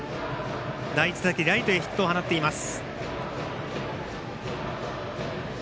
第１打席、ライトへヒットを放っています。